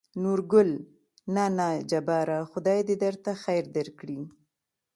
نورګل: نه نه جباره خداى د درته خېر درکړي.